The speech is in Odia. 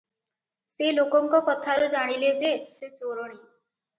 ସେ ଲୋକଙ୍କ କଥାରୁ ଜାଣିଲେ ଯେ ସେ ଚୋରଣୀ ।